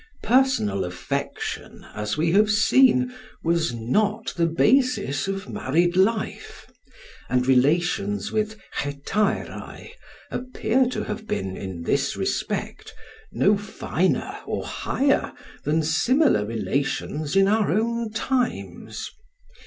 Personal affection, as we have seen, was not the basis of married life; and relations with Hetaerae appear to have been, in this respect, no finer or higher than similar relations in our own times.